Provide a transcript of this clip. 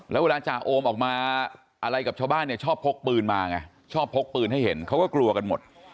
แล้วเวลาจ่าโอมออกมาอะไรกับชาวบ้านเนี่ยชอบพกปืนมาไงชอบพกปืนให้เห็นเขาก็กลัวกันหมด